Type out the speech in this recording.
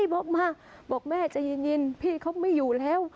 บอกมาบอกแม่ใจเย็นพี่เขาไม่อยู่แล้ว